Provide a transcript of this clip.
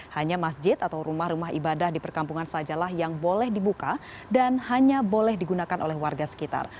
hanya masjid atau rumah rumah ibadah di perkampungan sajalah yang boleh dibuka dan hanya boleh digunakan oleh warga sekitar